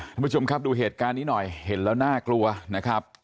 ท่านผู้ชมครับดูเหตุการณ์นี้หน่อยเห็นแล้วน่ากลัวนะครับ